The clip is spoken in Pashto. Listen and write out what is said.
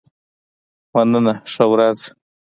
مننه ښه ورځ.